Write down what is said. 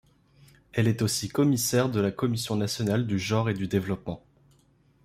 Elle est aussi commissaire de la Commission nationale du genre et du développement.